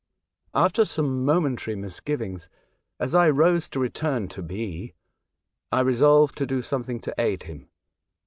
After some momentary misgivings, as I rose to return to B , I resolved to do something to aid him.